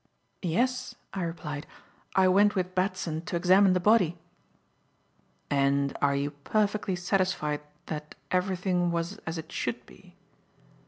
"Yes," I replied. "I went with Batson to examine the body." "And are you perfectly satisfied that everything was as it should be?"